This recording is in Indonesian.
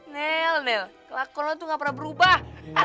nel nel kelakuan lo tuh gak pernah berubah